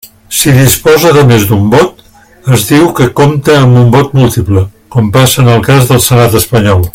Si disposa de més d'un vot, es diu que compta amb un vot múltiple, com passa en el cas del Senat espanyol.